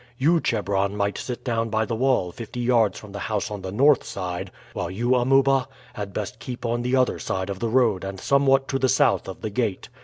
You, Chebron, might sit down by the wall fifty yards from the house on the north side, while you, Amuba, had best keep on the other side of the road and somewhat to the south of the gate.